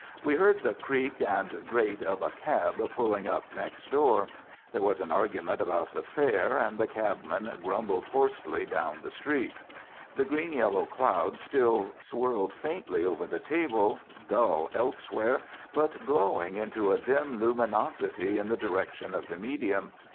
We heard the creak and grate of a cab pulling up next door. There was an argument about the fare, and the cabman grumbled hoarsely down the street. The green yellow cloud still swirled faintly over the table, dull elsewhere, but glowing into a dim luminosity in the direction of the medium.